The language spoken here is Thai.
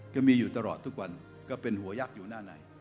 ก็มีอยู่ตลอดทุกวันก็เป็นหัวยักษ์อยู่หน้าใน